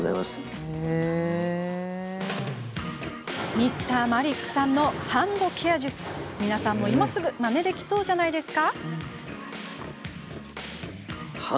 Ｍｒ．マリックさんのハンドケア術、皆さんも今すぐまねできそうじゃないですか？